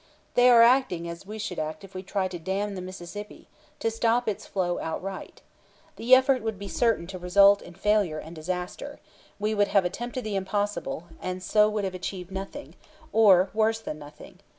They are acting as we should act if we tried to dam the Mississippi, to stop its flow outright. The effort would be certain to result in failure and disaster; we would have attempted the impossible, and so would have achieved nothing, or worse than nothing.